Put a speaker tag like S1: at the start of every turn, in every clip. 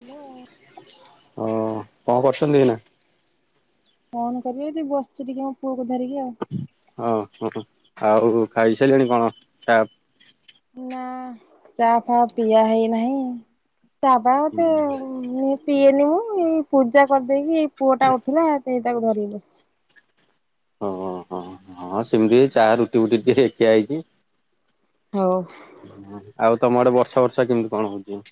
S1: Hello?
S2: ହଁ କଣ କରୁଛନ୍ତି ଏଇନା?
S1: କଣ କରିବି ଏଇଠି ବସଚି ଟିକେ ମୋ ପୁଅକୁ ଧରିକି ଆଉ।
S2: ଅ ହଁ ଆଉ ଖାଇସାଇଲେଣି କଣ ତା
S1: ନା ଚା ଫା ପିଆ ହେଇନାହିଁ। ତା ବାଦ ମୁଁ ପିଏନି ମ ଏଇ ପୂଜା କରିଦେଇକି ଏଇ ପୁଅଟା ଉଠିଲା ଟିକେ ତାକୁ ଧରିକି ବସଚି।
S2: ଓହୋ ହଁ ସେମିତି ଚାହା ରୁଟି ଫୁଟି ଟିକେ ଖିଆ ହେଇଚି।
S1: ହୋଉ।
S2: ହଁ ଆଉ ତମ ଆଡେ ବର୍ଷା ଫର୍ଷା କେମିତି କଣ ହୋଉଚି?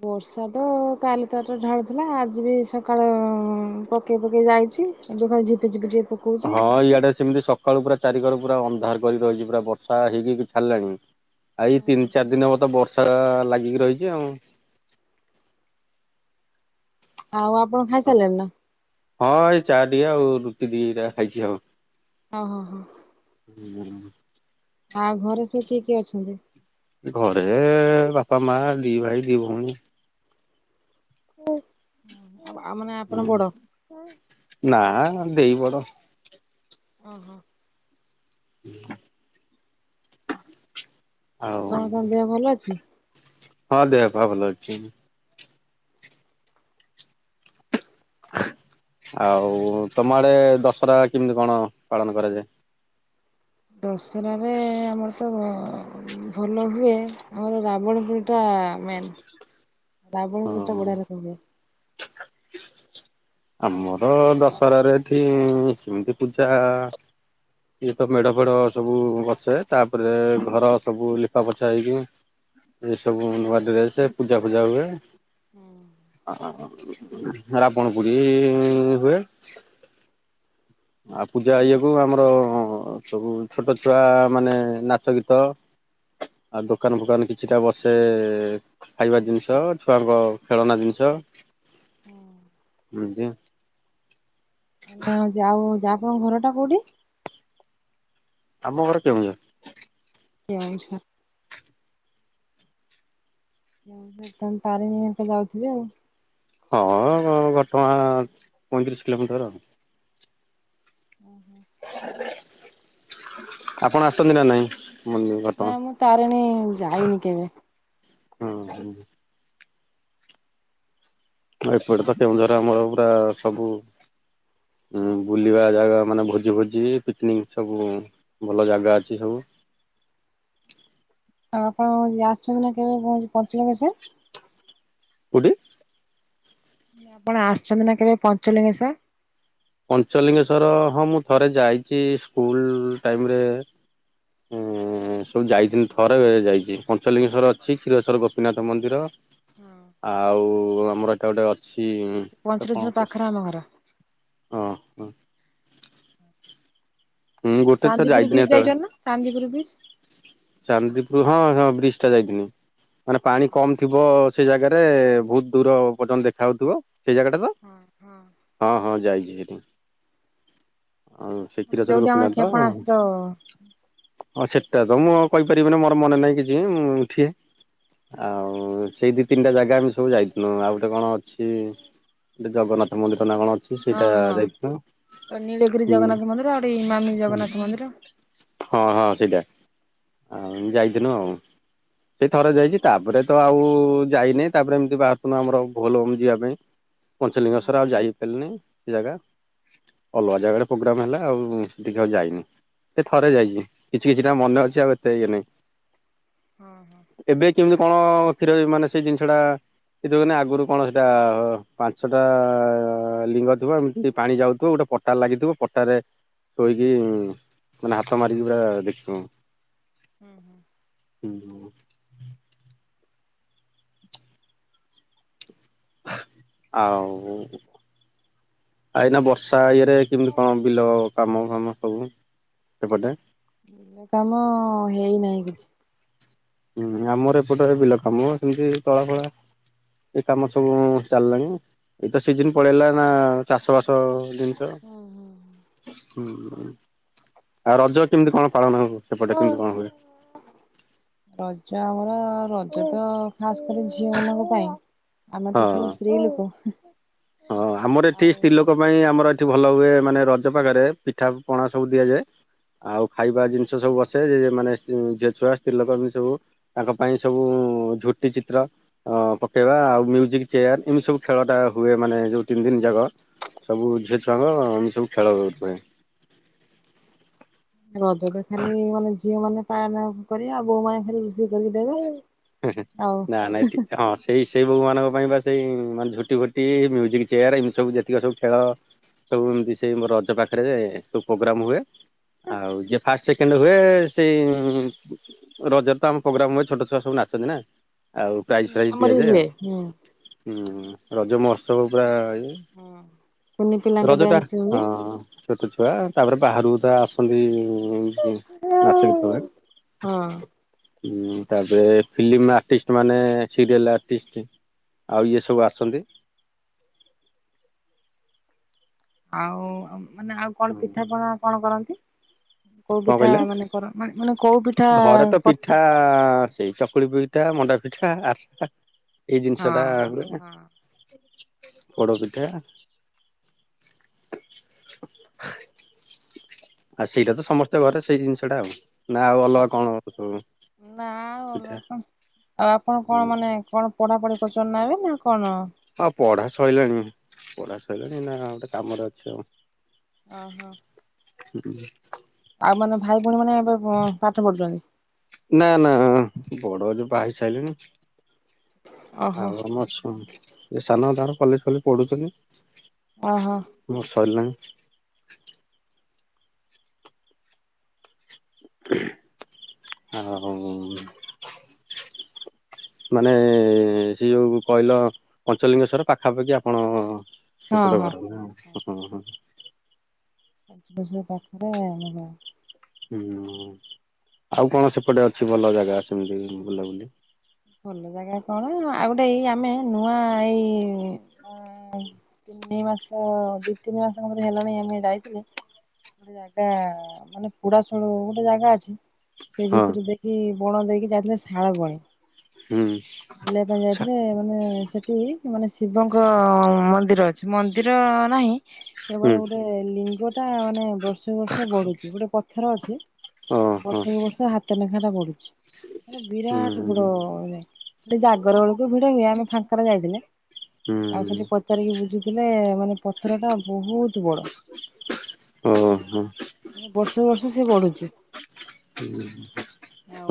S1: ବର୍ଷା ତ କାଲି ତାର ଢାଳିଥିଲା ଆଜି ବି ସକାଳ ପକେଇ ପକେଇ ଯାଇ ହେଇଚି ଏବେ କଣ ଝିପି ଝିପି ଟିକେ ପକଉଛି।
S2: ହଁ ଇଆଡେ ସେମିତି ସ ସକାଳୁୁ ପୁରା ଚାରିକର ପୁର ଅନ୍ଧାର କରି ରହିଚି ପୁରା ବର୍ଷା ହେଇକିି ହେଇକି ଛାଡିଲାଣି। ଆ ଏଇ ତିନ ଚାରି ଦିନ ହେବତ ବର୍ଷା ଲାଗିକି ରହିଚି ଆଉ।
S1: [unintelligible] ଆଉ ଆପଣ ଖାଇସାରିଲେଣି ନା?
S2: ହଁ ଏଇ ଚାଆ ଟିକେ ଆଉ ରୁଟି ଦିଇଟା ଖାଇଚି ଆଉ।
S1: ଅହ ହଁ।
S2: ଉଁ ନା
S1: ଆଉ ଘରେ ସବୁ କିଏ କିଏ ଅଛନ୍ତି?
S2: ଘରେ ବାପା, ମା, ଦିଭାଇ, ଦିଭୋଉଣୀ।
S1: ମୁଁ ଅହଁ।
S2: ଅଁ ନା ମୋ ଦେଇ ବଡ।
S1: ଓହୋ।
S2: ହ।
S1: ଆଉ ସମସ୍ତଙ୍କ ଦେହ ଭଲଅଛି?
S2: ହଁ ଦେହପା ଭଲଅଛି। ଆଉ ତମ ଆଡେ ଦଶରା କେମିତି କଣ ପାଳନ କରାଯାଏ?
S1: ଦଶରାରେ ଆମର ତ ଭ-ଭଲହୁଏ ଆମର ରାବଣପୋଡିଟା ଟା ମେନ୍ ରାବଣପୋଡିଟା
S2: ହଁ
S1: ବଢିଆ ରକମ ହୁଏ।
S2: ଆମର ଦଶହରାରେ ଏଠି ସେମତି ପୂଜା ଇଏ ତ ମେଢ ଫେଢ ସବୁ ବସେ ତାପରେ ଘର ସବୁ ଲିପା ପୋଛା ହେଇକି ଏ ସବୁ ନୂଆ ଡ୍ରେସେ ପୂଜା ଫୂଜା ହୁଏ। ରାବଣପୋଡି ହୁଏ। ଆଉ ପୂଜା ଇଏକୁ ଆମର ସବୁ ଛୋଟ ଛୁଆମାନେ ନାଚ ଗୀତ ଆଉ ଦୋକାନ ଫୋକାନ କିଛିଟା ବସେ ଖାଇବା ଜିନଷ ଛୁଆଙ୍କ ଖେଳନା ଜିନଷ।
S1: ହଁ।
S2: ବୁଁ ଯେ।
S1: ମାନେ ଆଉ ହଉଚି ଆପଣଙ୍କ ଘରଟା କୋଉଠି?
S2: ଆମ ଘର କେଉଁଝର।
S1: କେ ଆଉଛ। ତମେ ତାରିଣୀ ଆକା ଯାଉଥିବେ ଆଉ।
S2: ହଁ ଘଟଗାଁ ପଇଁତିରିଶ କିଲୋମିଟର ଆ।
S1: ଓୁ ହୋ।
S2: ଆପଣ ଆସନ୍ତି ନା ନାଇଁ? ମନ୍ଦି
S1: ନା
S2: ଘଟଗାଁ?
S1: ମୁଁ ତାରିଣୀ ଯାଇନି କେବେ।
S2: ହଁ [inaudible] ଏପଟେ ତ କେଉଁଝର ଆମର ପୁରା ସବୁ ବୁଲିବା ଜାଗା ମାନେ ଭୋଜି ଭୋଜି ପିକନିକ ସବୁ ଭଲ ଜାଗା ଅଛି ସବୁ।
S1: [inaudible] ଆଉ ଆପଣ ଆସୁଚନ୍ତି ନା କେବେ ପ ପଞ୍ଚୁଲିଙ୍ଗେଶ୍ୱର୍?
S2: କୋଉଠି?
S1: ଆପଣ ଆସିଚନ୍ତି ନା କେବେ ପଞ୍ଚଲିଙ୍ଗେଶ୍ୱର?
S2: ପଞ୍ଚଲିଙ୍ଗେଶ୍ଵର ହଁ ମୁଁ ଥରେ ଯାଇଚି ସ୍କୁଲ ଟାଇମରେ। ଉଁ ସବୁ ଯାଇଚନ୍ତି ଥରେ ଯାଇଚି ପଞ୍ଚଲିଙ୍ଗେଶ୍ଵର ଅଛି କ୍ଷୀରଚୋରା ଗୋପୀନାଥ ମନ୍ଦିର।
S1: [inaudible]
S2: ଆଉ ଆମର ଏଟା ଗୋଟେ ଅଛି ତାକୁ କଣ
S1: ପଞ୍ଚଲିଙ୍ଗେଶ୍ୱର
S2: କହୁ
S1: ପାଖରେ ଆମ ଘର।
S2: ହଁ ହଁ। ମୁଁ ଗୋଟେ ଥର
S1: ଚାନ୍ଦିପୁର
S2: ଯାଇଥିଲିନି
S1: ବିଚ୍ ଯାଇଛନ୍ତି ନା ଚାନ୍ଦିପୁର ବିଚ୍?
S2: ସେତେବେଳେ ଚାନ୍ଦି ହଁ ହଁ ବ୍ରିଜ ଟା ଯାଇଥିଲି। ମାନେ ପାଣି କମ ଥିବ ସେ ଜାଗାରେ ବହୁତ ଦୂର ପର୍ଯ୍ୟନ୍ତ ଦେଖାଯାଉଥିବ ସେଇ ଜାଗାଟା ତ?
S1: ହଁ ହଁ
S2: ହଁ ହଁ ଯାଇଚି ସେଠି। ଅ
S1: ମାନେ
S2: କ୍ଷୀରଚୋରା
S1: ଯୋଉଠି ଆମର
S2: ଗୋପିନାଥ।
S1: କ୍ଷେପଣାସ୍ତ୍ର
S2: ହଁ ସେଟା ତ ମୁଁ ଆଉ କହିପାରିବିିନି, ମୋର ମନେ ନାହିଁ କିଛି ମୁଁ ଉଠେ ଆଉ ସେଇ ଦି ତିନିଟା ଜାଗା ଆମେ ସବୁ ଯାଇଥିଲୁ ଆଉ ଗୋଟେ କଣ ଅଛି ଗୋଟେ ଜଗନ୍ନାଥ ମନ୍ଦିର ନା କଣ ଅଛି।
S1: ହଁ
S2: ସେଇଟା ଯାଇଥିଲୁ।
S1: ହଁ ନିୀଳଗରି ଜଗନ୍ନାଥ
S2: ହୁଁ
S1: ମନ୍ଦିର ଅ ଇମାମି ଜଗନ୍ନାଥ ମନ୍ଦିର ।
S2: ଏଟା ଆଉ ଯାଇଥିଲି ଆଉ। ସେଇ ଥରେ ଯାଇଚି ତାପରେ ତ ଆଉ ଯାଇନହିଁ ତାପରେ ଏମିତି ବାହାରିଥିଲୁ ଆମର ଭୋଲବମ ଯିବା ପାଇଁ। ପଞ୍ଚଲିଙ୍ଗେଶ୍ୱର ଆଉ ଯାଇପାରିଲିନି। ସେ ଜାଗା ଅଲଗା ଜାଗାରେ ପ୍ରୋଗ୍ରାମ ହେଲା। ଆଉ ଟିକେ ଆଉ ଯାଇନି, ସେ ଥରେ
S1: ହଁ
S2: ଯାଇଛି କିଛି କିଛିଟା ମନେ ଅଛି ଆଉ ଏତେ ଇଏ ନାଇଁ।
S1: ହଁ।
S2: ଏବେ କେମିତି କଣ କ୍ଷୀର ମାନେ ସେଇ ଜିନିଷ ଟା ସେଠ କହିଲେ ଆଗରୁ କଣ ସେଇଟା ପାଞ୍ଚଟା ଲିଙ୍ଗ ଥିବ ଏମିତି ପାଣି ଯାଉଥିବ ଗୋଟେ ପଟା ଲାଗିଥିବ ପଟାରେ ଶୋଇକି [inaudible] ମାନେ ହାତ ମାରିକି ପୁରା ଦେଖିବୁ । ହୁଁ। ଆଉ, ଆ ଏଇନା ବର୍ଷା ଇଏ ଟେ କେମିତି କଣ ବିଲ କାମ ଫାମ ସବୁ, ସେପଟେ?
S1: ବିଲ କାମ ହେଇନାହିଁ କିଛି।
S2: ହୁଁ ଆମର ଏପଟରେ ବିଲ କାମ ସେମିତି ତଳା ଫଳା ଏ କାମ ସବୁ ଚାଲିଲାଣି ଏଇତ ସିଜିନ ପଳେଇଲା ନା ଚାଷ ବାସ
S1: ହୁଁ ହୁଁ।
S2: ହୁଁ, ଆଉ ରଜ କେମିତି କଣ ପାଳନ ସେପଟେ କେମିତି କଣ ହୁଏ?
S1: ରଜ ଆମର ରଜ ତ ଖାସ କରି ଝିଅ ମାନଙ୍କ ପାଇଁ ଆମେ ତ ସବୁ
S2: ହଁ।
S1: ସ୍ତ୍ରୀ ଲୋକ।
S2: ହଁ ଆମର ଏଠି
S1: ଆଉ
S2: ସ୍ତ୍ରୀ ଲୋକ ପାଇଁ ଆମର ଏଠି ଭଲ ହୁଏ ମାନେ ରଜ ପାଖରେ ପିଠା ପଣା ସବୁ ଦିଆଯାଏ। ଆଉ ଖାଇବା ଜିନିଷ ସବୁ ବସେ ଯେ ମାନେ ଝିଅ ଛୁଆ ସ୍ତ୍ରୀ ଲୋକ ଏ ସବୁ ତାଙ୍କ ପାଇଁ ସବୁ ଉ ଝୋଟି ଚିତ୍ର ଅ ପକେଇବା ଆଉ ମ୍ୟୁଜିକ ଚେୟାର ଏମିତି ସବୁ ଖେଳଟା ହୁଏ ମାନେ ଯେଉଁ ତିନି ଦିନି ଯାକ ସବୁ ଝିଅ ଛୁଆଙ୍କ ଏମି ସବୁ ଖେଳ ହୁଏ।
S1: [inaudible] ରଜ ତ ଖାଲି ମାନେ ଝିଅ ମାନେ ପାଳନ କରିବା ଆଉ ବୋଉ ମାନେ ଖାଲି ରୋଶେଇ କରିକି ଦେବେ ଆଉ।
S2: ହିଁ ହିଁ ନା ନାଇଁ ହଁ ସେଇ ସେଇ ବୋଉ ମାନଙ୍କ ପାଇଁ ବା ସେଇ ମାନେ ଝୋଟି ଫୋଟି ମ୍ୟୁଜିକ ଚେୟାର ଏମିତି ସବୁ ଯେତିକି ସବୁ ଖେଳ ସବୁ ଏମତି ସେଇ ମୋ ରଜ ପାଖରେ ସବୁ ପ୍ରୋଗ୍ରାମ ହୁଏ ଆଉ ଯିଏ ଫାଷ୍ଟ ସେକେଣ୍ଡ ହୁଏ ସେଇ ରଜରେ ତ ଆମ ପ୍ରୋଗ୍ରାମ ହୁଏ ଛୋଟ ଛୁଆ ସବୁ ନାଚ ଅଛନ୍ତି ନା ଆଉ ପ୍ରାଇଜ ଫ୍ରାଇଜ ଦିଆଯାଏ
S1: ସେ
S2: ଆଉ
S1: ହୁଁ
S2: ହୁଁ ରଜ ମହୋତ୍ସବ ପୁରା ଇଏ
S1: କୁନି ପିଲାଙ୍କ
S2: ରଜ ଟା
S1: ଡ୍ୟାନ୍ସ
S2: ହଁ
S1: ହୁଏ।
S2: ଛୋଟ ଛୁ ଛୁଆ ତାପରେ ବାହାରୁ ତା ଆସନ୍ତି । ଉ ଉ ନାଚ ଗୀତ ହୁଏ
S1: ହଁ
S2: ଉ ତା ପରେ ଫିଲ୍ମ ଆର୍ଟିଷ୍ଟ ମାନେ ସିରିଏଲ ଆର୍ଟିଷ୍ଟ ଆଉ ଇଏ ସବୁ ଆସନ୍ତି
S1: [inaudible] ଆଉ ମାନେ ଆଉ କଣ ପିଠାପଣା କଣ କରନ୍ତି? କୋଉ
S2: କଣ
S1: ପିଠା
S2: କହିଲେ
S1: ମାନେ କର ମାନେ ମାନେ କୋଉ ପିଠା
S2: ଘରେ ତ
S1: କରିଥିଲେ?
S2: ପିଠା ସେଇ ଚକୁଳି ପିଠା ମଣ୍ଡା ପିଠା ଆରସା ଏଇ
S1: ହଁ
S2: ଜିନିଷ ଟା
S1: ହଁ।
S2: ପୋଡ ପିଠା ଆଉ ସେଇଟା ତ ସମସ୍ତେ ଘରେ ସେଇ ଜିନିଷଟା ଆଉ ନା ଆଉ ଅଲଗା କଣ ସବୁ
S1: ନା ଅଲଗା
S2: ପିଠା
S1: କଣ ଆଉ ଆପଣ କଣ ମାନେ କଣ ପଢା ପଢି କରୁଛନ୍ତି ନ ଏବେ ନା କଣ?
S2: ହଁ ପଢା ସରିଲାଣି ପଢା ସରିଲାଣି ନା ଗୋଟେ କାମରେ ଅଛି ଆଉ ।
S1: ଓ ହୋ
S2: ହୁଁ
S1: ଆଉ ମାନ ଭାଇ ଭଉଣୀ ମାନେ ଏବେ ପାଠ ପଢୁଛନ୍ତି
S2: ନା ନା ବଡଜ ବାହା ହେ ସାରିଲଣି
S1: ଓହୋ
S2: ଆଉ ଆମ ସ ସାନ ତାର କଲେଜ ଫଲେଜ୍ ପଢୁଛନ୍ତି
S1: ଓହୋ
S2: ମୋର ସରିଲାଣି ଆଉ ମାନେ ସେ ଯୋଉ କହିଲ ପଞ୍ଚଲିଙ୍ଗେଶ୍ୱଵର ପାଖାପାଖି ଆପଣ
S1: ହଁ
S2: ସେପଟେ
S1: ହଁ।
S2: ଘର ନାଁ ହଁ ହଁ
S1: ପାଞ୍ଚ ବଷର ପାଖରେ ଆମ
S2: ହୁଁ ଆଉ କଣ ସେପଟେ ଅଛି ଭଲ ଜାଗା ସେମିତି ବୁଲାବୁଲି
S1: ଭଲ ଜାଗା କଣ ଆଉ ଗୋଟେ ଏଇ ଆମେ ନୂଆ ଏଇ ତିନି ମାସ ଦି ତିନି ମାସଙ୍କରେ ହେଲାଣି ଆମେ ଯାଇଥିଲୁ ଗୋଟେ ଜାଗା ମାନେ ପୁଡାସଳ ଗୋଟେ ଜାଗା ଅଛି ସେ
S2: ହଁ
S1: ଭିତରୁ ଦେଇକି ବଣ ଦେଇକି ଯାଇଥିଲେ ସାଳ ବଣ
S2: ହୁଁ
S1: ବୁଲିବା ପାଇଁ
S2: ଆଛା
S1: ଯାଇଥିଲେ ମାନେ ସେଠି ମାନେ ଶିବଙ୍କ ମନ୍ଦିର ଅଛି ମନ୍ଦିର ନା ହିଁ କେବଳ
S2: ହୁଁ
S1: ଗୋଟେ ଲିଙ୍ଗ ଟା ମାନେ ବର୍ଷକୁ ବର୍ଷ ବଢୁଛି ଗୋଟେ ପଥର ଅଛି
S2: ଓହୋ
S1: ବର୍ଷକୁ ବର୍ଷ ହାତ ଲେଖା ଟା ବଢୁଛି ମାନେ
S2: ହୁଁ
S1: ବିରାଟ ବଡ ଜା ହେଟି ଜାଗର ବେଳକୁ ଭିଡ ହୁଏ ଆମେ ଫାଙ୍କରା ଯାଇଥିଲେ ଆଉ
S2: ହୁଁ।
S1: ସେଠି ପଚାରିକି ବୁଝୁଥିଲେ ମାନେ ପଥର ଟା ବହୁତ ବହୁତ ବଡ
S2: ଓହୋ
S1: ମାନେ ବର୍ଷ ବର୍ଷ ସେ ବଢୁଛି
S2: ହୁ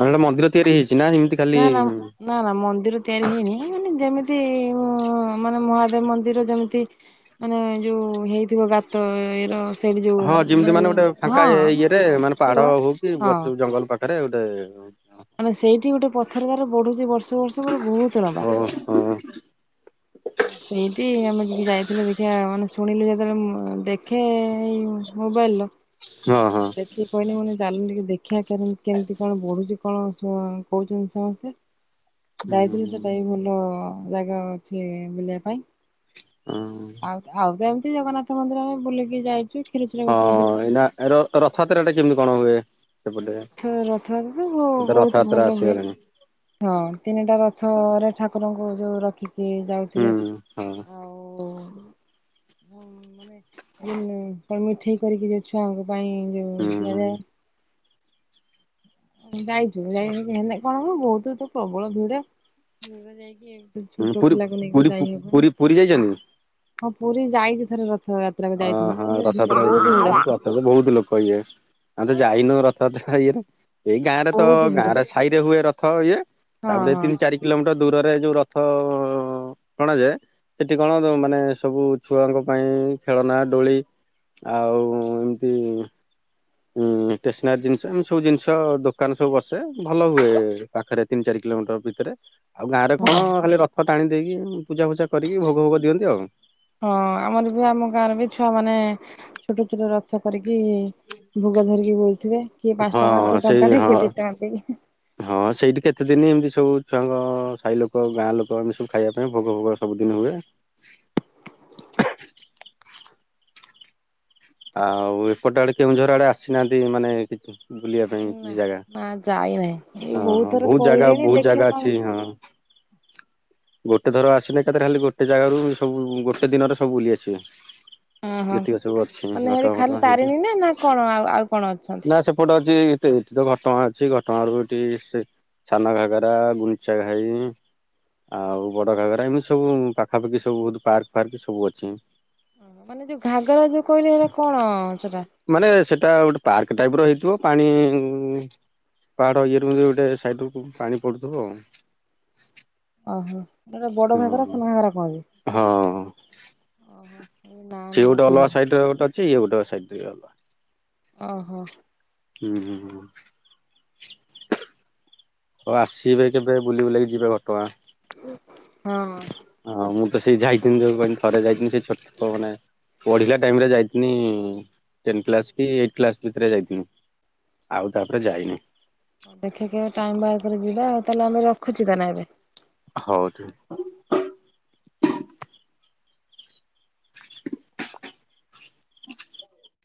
S2: ମାନେଟ ମନ୍ଦିର ତିଆରି ହେଇଛି ନା ଏମତି
S1: ନା ନା ନା ନା ମନ୍ଦିର ତାର ହେଇନାଇ ମାନେ ଯେମିତି ମାନେ ମହାଦେବ ମନ୍ଦିର ଯେମିତି ମାନେ ଯୋଉ ହେଇଥିବ ଗା ତ ଏଇର
S2: ହଁ ଯେମିତି ମାନେ ଗୋଟେ ଫାଙ୍କା ଇଏ ରେ
S1: ହଁ
S2: ମାନେ
S1: ଥିବ
S2: ପାହାଡ ହଉ କି
S1: ହଁ
S2: ଗଛ ଜଙ୍ଗଲ ପାଖ ଆରେ ଗୋଟେ
S1: ମାନେ ସେଇଠି ଗୋଟେ ପଥର ତାର ବଢୁଛି ବର୍ଷ ବର୍ଷ ପରେ ବହୁତ ଲମ୍ବା ।
S2: ଓହୋ ହଁ
S1: ଆଉ ସେଇଠି ଆମର ଯିକେ ଯାଇଥିଲେ ଦେଖିବା ମାନେ ଶୁଣିଲୁ ଯେତେବେଳେ ଦେଖେ ଏଇ ମୋବାଇଲ ର ମୁଁ
S2: ହଁ।
S1: ଦେଖି କିଲି ମ ଚାଲ ଟିକେ ଦେଖିବା କେତି କେମିତି କଣ ବଢୁଛି କଣ କହୁଛନ୍ତି ସମସ୍ତେ। ଯଇଥିଲୁ
S2: ହୁଁ
S1: ସେଟା ବି ଭଲ ଜାଗା ଅଛି ବୁଲିବା ପାଇଁ। ଆଉ ଆଉ ତ ଏମିତି ଜଗନ୍ନାଥ ମନ୍ଦିର ଆମେ ବୁଲିକି ଯାଇଛୁ। କ୍ଷୀରଚୋରା ଗୋପୀନାଥ
S2: ହଁ
S1: ବି
S2: ଏଇ
S1: ଯାଇଛୁ।
S2: ରଥଯାତ୍ରା ଟା କେମିତି କଣ ହୁଏ? ସେପଟେ
S1: ରଥ ରଥ ତ
S2: ଏ ତ
S1: ବହୁତ
S2: ରଥଯାତ୍ରା
S1: ଭଲ ହୁଏ।
S2: ଆସିଗଲାଣି
S1: ହଁ ତିନିଟା ରଥରେ ଠାକୁ ଠାକୁରଙ୍କୁ ଯୋଉ ରଖିକି
S2: ହୁଁ
S1: ଯାଉଥିବେ
S2: ହଁ
S1: ଆଉ ମାନେ ମିଠେଇ କରିକି ଯ ଛୁଆଙ୍କୁ ପାଇଁ ଯୋଉ ଦିଆଯାଏ।
S2: ହୁଁ।
S1: ଯାଇଛୁ ଯାଇ କଣ ହ ବହୁତ ତ ପ୍ରବଳ ଭିଡ ଭ ଯାଇ
S2: ଉଁ ପୁରୀ ପୀ
S1: ହବନି।
S2: ପୁରୀ ପୁରୀ ଯାଇଛଛନ୍ତି?
S1: ହଁ ପୁରୀ ଯାଇଛି ଥରେ ର
S2: ଓହଁ ରଥଯାତ୍ରା ଏଇ
S1: ଭିଡ
S2: ରଥଯାତ୍ରା ବହୁତ ଲୋକ ଇଏ ଆମେ ତ ଯାଇନ ରଥଯାତ୍ରା। ଇଏରେ ଏଇ ଗାଁ ରେ ତ
S1: ବହୁତ ଭିଡ।
S2: ଗାଁରେ ସାହି ରେ ହୁଏ ରଥ ଇଏ
S1: ହଁ
S2: ତାପରେ
S1: ହଁ
S2: ତିନି ଚାରି କିଲୋମିଟର ଦୂରରେ ଯୋଉ ରଥ ଅଣାଯାଏ। ସେଠି କଣ ମାନେ ସବୁ ଛୁଆଙ୍କ ପାଇଁ ଖେଳନା ଡୋଳି ଆଉ ଏମିତି ହୁଁ ଷ୍ଟେସନାରୀ ଜିନିଷ ଏମ ସବୁ ଜିନିଷ ଦୋକାନରେ ସବୁ ବସେ ଭଲ ହୁଏ ପାଖରେ ତିନି ଚାରି କି କିଲୋମିଟର ଭିତରେ ଆଉ ଗାଁରେ କଣ ଖାଲି ରଥ ଟାଣି ଦେଇକି ପୂଜା ଫୂଜା କରିକି ଭୋଗ ଭୋଗ ଦିଅନ୍ତି ଆଉ।
S1: ମାନ ଛୋଟ ଛୋଟ ରଥ କରିକି କି ଭୋଗ ଧରିକି ବୋଲଥିବଥିଲେ କିଏ ପାଞ୍ଚ
S2: ହଁ
S1: ଟଙ୍କା କିଏ
S2: ସେଇ
S1: ଟଙ୍କା ଟେ
S2: ହଁ
S1: କିଏ ଦି ଟଙ୍କା ପାଇଁକି
S2: ହଁ ସେଇଠି କେତେ ଦିନ ଏମିତି ସବୁ ଛୁଆଙ୍କ ସାହି ଲୋକ ଗାଁ ଲୋକ ଆମେ ସବୁ ଖାଇବା ପାଇଁ ଭୋଗ ଫୋଗ ସବୁଦିନ ହୁଏ। ଆଉ ଏପଟେ ଆଡେ କେଉଁଝର ଆଡେ ଆସିନାହାନ୍ତି ମାନେ କିଛି ବୁଲିବା ପାଇଁ
S1: ନା।
S2: କିଛି ଜାଗା।
S1: ନା ଯାଇନାହିଁ ମୁ
S2: ହଁ
S1: ବହୁତ
S2: ହଁ
S1: ଥର
S2: ଜାଗା
S1: କହିଲିଣି
S2: ବହୁତ
S1: ଦେଖିବା
S2: ଜାଗା ଅଛି
S1: କଣ
S2: ହଁ। ଗୋଟେ ଥର ଆସିଲେ କାଥରେ ଖାଲି ଗୋଟେ ଜାଗାାରୁ ସବୁ ଗୋଟେ ଦିନରେ ସବୁ ବୁଲିଆସିବେ।
S1: ହଁ ହଁ।
S2: ଯେତିକି ସବୁ ଅଛି
S1: ମାନେ ହେଠି
S2: ଘଟ
S1: ଖାଲି
S2: ଫଟ ହେଇକି
S1: ତାରିଣୀ ନା ନା କଣ ଆଉ ଆଉ କଣ ଅଛନ୍ତି?
S2: ନା ସେପଟ ଏଠି ତ ଘଟଣା ଅଛି ଘଟଣାୁ ଏଠି ସେ ଛାନ ଘାଗରା ଗୁଞ୍ଚା ଘାଇ। ଆଉ ବଡ ଘାଗରା ଏମିତି ସବୁ ପାଖାପାଖି ସବୁ ବହୁତ ପାର୍କ ଫାର୍କ ସବୁ ଅଛି।
S1: ଓ ମାନେ ଯୋଉ ଘାଗରା ଯୋଉ କହିଲେ ଏଇଟା କଣ ସେଟା?
S2: ଟା ଗୋଟେ ପାର୍କ ଟାଇପ ର ହେଇଥିବ ପାଣି ପାହାଡ ଇଏରେ ମଧ୍ୟ ଗୋଟେ ସାଇଡ ରୁ ପାଣି ପଡୁଥିବ ଆଉ।
S1: ଓହୋ। ଯୋଉଟା ବଡ
S2: ହଁ
S1: ଘାଗରା
S2: ହଁ।
S1: ସେନା ଭଙ୍କରା କୁହନ୍ତି
S2: ହଁ
S1: ଓହୋ। ନା
S2: ସିଏ
S1: ନୂଆ
S2: ଗୋଟେ ଅଲଗା
S1: ଶୁଣୁଛି
S2: ସାଇଟ ରେ ଗୋଟେ ଅଛି ଇଏ ଗୋଟେ ସାଇଟ ରେ ଅଲଗା।
S1: ଓହୋ।
S2: ହୁଁ ହୁଁ। ହଉ ଆସିବେ କେବେ ବୁଲି ବୁଲାକି ଯିବେ ଘଟଗାଁ।
S1: ହଁ।
S2: ହଁ ମୁଁ ତ ସେଇ ଯାଇଛନ୍ତି ଯୋଉ ପାଇଁ ଥରେ ଯାଇଛନ୍ତି ସେ ଛୋଟ ମାନେ ପଢିଲା ଟାଇମରେ ଯାଇଥି ଟେନ କ୍ଲାସ କି ଟେନ କ୍ଲାସ ଭିତରେ ଯାଇଥିଲୁ। ଆଉ ତପରେ ଯାଇନି।
S1: ହଉ ଦେଖିଆ କେବେ ଟାଇମ ବାହାର କରିକି ଯିବା ଆଉ ତାହେଲେ ଆମେ ରଖୁଚି ତାହାଲେ ଏବେ।
S2: ହଉ ଠିକ [inaudible]